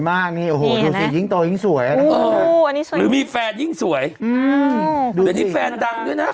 บ้านไม่เบี้ยวแล้วจ้า